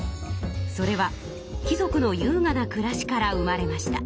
それは貴族のゆうがなくらしから生まれました。